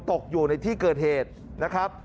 ตกอยู่ในที่เกิดเหตุนะครับ